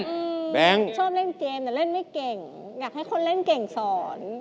ชอบเล่นเกม